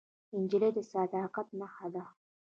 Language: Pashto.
نجلۍ د صداقت نښه ده.